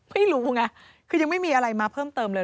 ไม่รู้ไงคือยังไม่มีอะไรมาเพิ่มเติมเลย